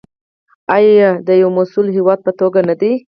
آیا د یو مسوول هیواد په توګه نه دی؟